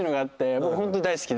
もうホント大好きで。